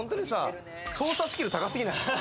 捜査スキル高すぎない？